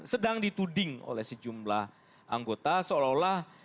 sedang dituding oleh sejumlah anggota seolah olah